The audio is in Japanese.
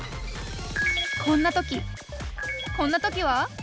こんな時こんな時は？